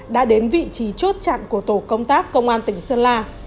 đã đến vị trí chốt chặn của tổ công tác công an tỉnh sơn la